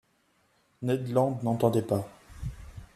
Ned Land n’entendait pas.